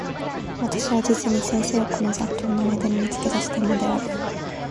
私は実に先生をこの雑沓（ざっとう）の間（あいだ）に見付け出したのである。